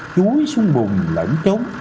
chúi xuống bùng lẩn trống